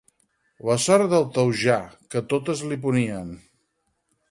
La sort del Taujà, que totes li ponien.